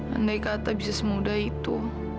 andai kata bisnis muda itu